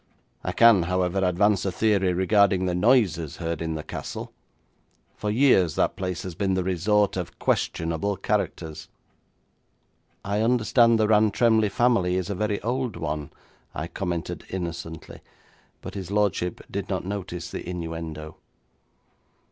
I can, however, advance a theory regarding the noises heard in the castle. For years that place has been the resort of questionable characters.' 'I understand the Rantremly family is a very old one,' I commented innocently, but his lordship did not notice the innuendo.